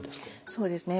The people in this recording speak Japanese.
そうですね。